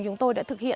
cũng gọi là ghế